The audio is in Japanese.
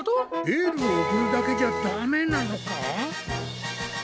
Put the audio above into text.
エールを送るだけじゃダメなのか？